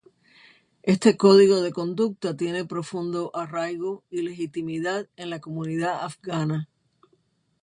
Este código de conducta tiene profundo arraigo y legitimidad en la comunidad afgana.